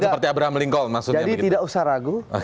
seperti abraham lincoln maksudnya jadi tidak usah ragu